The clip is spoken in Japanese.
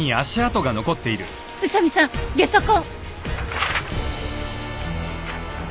宇佐見さんゲソ痕！